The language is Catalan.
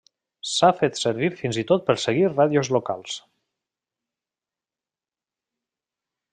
S'ha fet servir fins i tot per seguir ràdios locals.